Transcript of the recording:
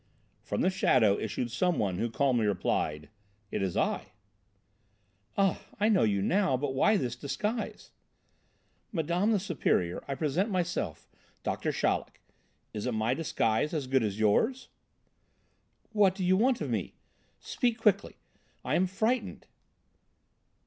From the shadow issued some one who calmly replied: "It is I." "Ah! I know you now, but why this disguise?" "Madame the Superior I present myself Doctor Chaleck. Isn't my disguise as good as yours?" "What do you want of me? Speak quickly, I am frightened."